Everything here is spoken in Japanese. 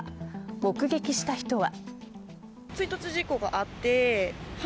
目撃した人は。